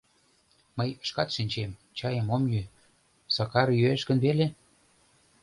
— Мый, шкат шинчет, чайым ом йӱ, Сакар йӱэш гын веле?